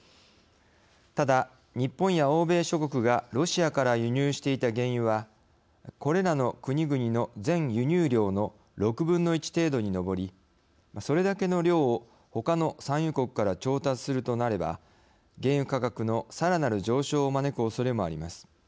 ただ日本や欧米諸国がロシアから輸入していた原油はこれらの国々の全輸入量の６分の１程度に上りそれだけの量をほかの産油国から調達するとなれば原油価格のさらなる上昇を招くおそれもあります。